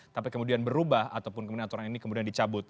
tapi kemudian berubah ataupun kemudian aturan ini kemudian dicabut